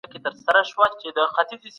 د بهرنیو چارو وزارت سوله ایزې خبرې نه ځنډوي.